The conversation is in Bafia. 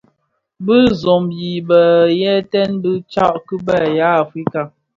Bisobi bi yeten bi tsak ki be ya Afrika,